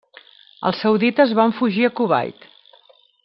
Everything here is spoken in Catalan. Els saudites van fugir a Kuwait.